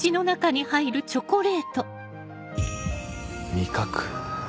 味覚